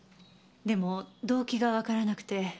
でも動機がわからなくて。